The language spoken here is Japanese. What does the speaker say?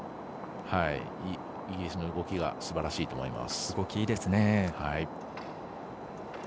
イギリスの動きがすばらしいと思います。